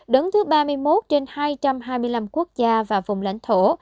đứng thứ ba mươi một trên hai trăm hai mươi năm quốc gia và vùng lãnh thổ